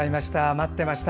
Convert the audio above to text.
待ってました。